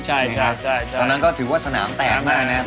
ใช่ตอนนั้นก็ถือว่าสนามแตกมากนะครับ